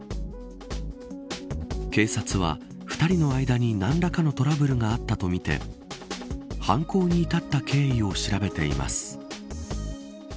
警察は２人の間に何らかのトラブルがあったとみて犯行に至った経緯を調べています。